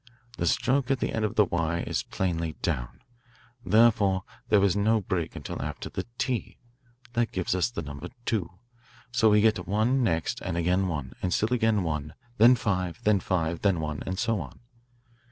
The stroke at the end of the 'y' is plainly down. Therefore there is no break until after the 't.' That gives us the number 2. So we get 1 next, and again 1, and still again 1; then 5; then 5; then 1; and so on.